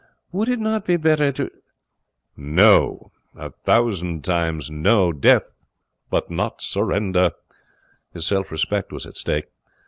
Would it not be better to no, a thousand times no! Death, but not surrender. His self respect was at stake.